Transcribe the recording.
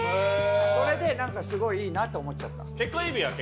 それでなんかすごいいいなと思っちゃった。